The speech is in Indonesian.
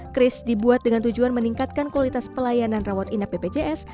kris dibuat dengan tujuan meningkatkan kualitas pelayanan rawat inap bpjs